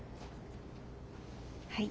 はい。